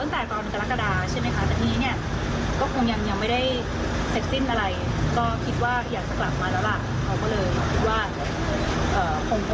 แต่ทีนี้เนี่ยก็คงยังไม่ได้เสร็จสิ้นอะไร